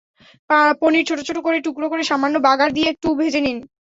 পনির ছোট ছোট করে টুকরা করে সামান্য বাগার দিয়ে একটু ভেজে নিন।